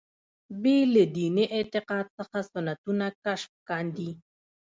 بې له دیني اعتقاد څخه سنتونه کشف کاندي.